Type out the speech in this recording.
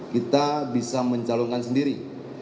kita bisa mencalonkan sendiri